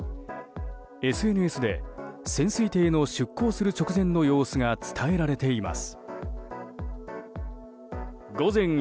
ＳＮＳで潜水艇の出航する直前の様子が伝えられています。